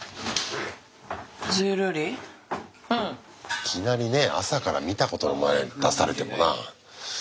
いきなりね朝から見たことないもん出されてもな。